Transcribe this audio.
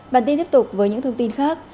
bản tin tiếp tục với những thông tin khác